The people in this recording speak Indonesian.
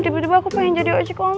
tiba tiba aku pengen jadi ojek online